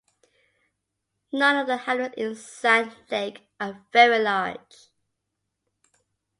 None of the hamlets in Sand Lake are very large.